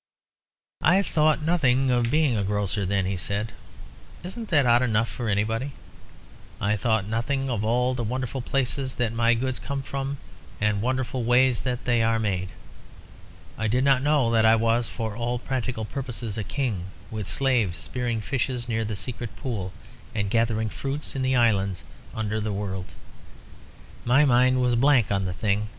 "I thought nothing of being a grocer then," he said. "Isn't that odd enough for anybody? I thought nothing of all the wonderful places that my goods come from, and wonderful ways that they are made. I did not know that I was for all practical purposes a king with slaves spearing fishes near the secret pool, and gathering fruits in the islands under the world. My mind was a blank on the thing.